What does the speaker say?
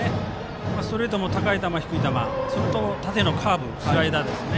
ストレートも高い球、低い球それと、縦のカーブスライダーですね。